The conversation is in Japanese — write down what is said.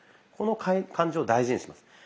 この感じを大事にします。